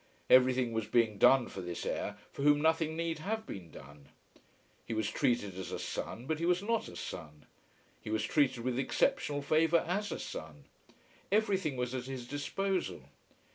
Every thing was being done for this heir, for whom nothing need have been done. He was treated as a son, but he was not a son. He was treated with exceptional favour as a son. Everything was at his disposal.